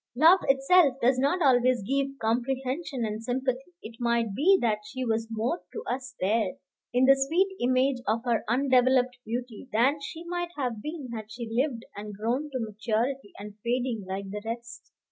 Love itself does not always give comprehension and sympathy. It might be that she was more to us there, in the sweet image of her undeveloped beauty, than she might have been had she lived and grown to maturity and fading, like the rest.